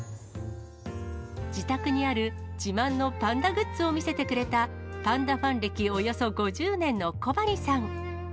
自宅にある自慢のパンダグッズを見せてくれた、パンダファン歴およそ５０年の小針さん。